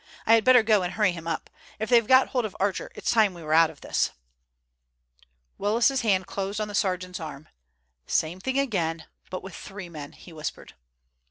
I had better go and hurry him up. If they've got hold of Archer, it's time we were out of this." Willis's hand closed on the sergeant's arm. "Same thing again, but with three men," he whispered.